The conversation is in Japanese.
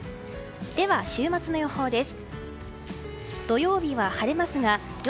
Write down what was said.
では週末の予報です。